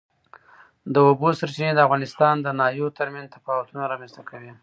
د اوبو سرچینې د افغانستان د ناحیو ترمنځ تفاوتونه رامنځ ته کوي.